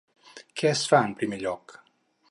Què es fa en primer lloc?